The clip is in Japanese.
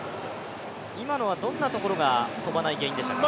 今のはどんなところが飛ばない原因でしたか。